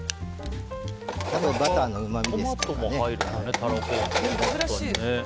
あとバターのうまみですかね。